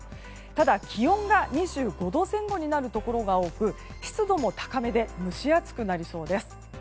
ただ、気温が２５度前後になるところが多く湿度も高めで蒸し暑くなりそうです。